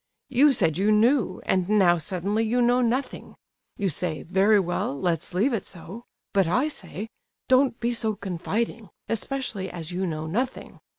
You said you knew, and now suddenly you know nothing! You say 'very well; let's leave it so.' But I say, don't be so confiding, especially as you know nothing.